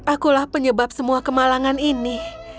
akulah penyebab semua kemalangan ini